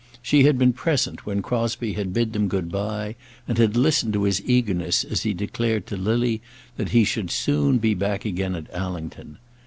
She had been present when Crosbie had bid them good by, and had listened to his eagerness as he declared to Lily that he should soon be back again at Allington.